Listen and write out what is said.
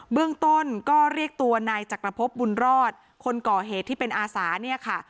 เบื้องต้นก็เรียกตัวนายจักรพบบุญรอดคนก่อเหตุที่เป็นอาสาเนี่ยค่ะ